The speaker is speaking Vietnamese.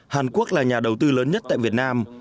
hàn quốc là nhà đầu tư lớn nhất tại việt nam